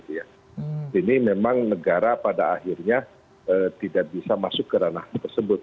ini memang negara pada akhirnya tidak bisa masuk ke ranah tersebut